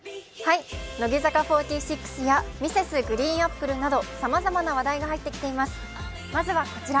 乃木坂４６やＭｒｓ．ＧＲＥＥＮＡＰＰＬＥなどさまざまな話題が入ってきています、まずはこちら。